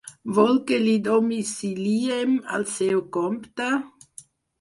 Vol que li domiciliem al seu compte?